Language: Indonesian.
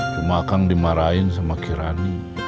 ya kot moran